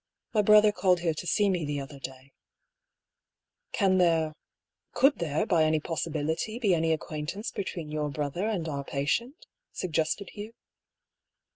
My brother called here to see me the other day." A MORAL DUEL. §3 " Can there — could there, by any possibility, be any acquaintance between your brother and our patient?" suggested Hugh.